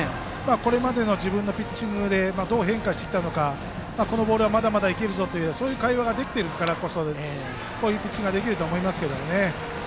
これまでの自分のピッチングでどう変化してきたのかこのボールはまだまだいけるぞという会話ができているからこそこういうピッチングができていると思います。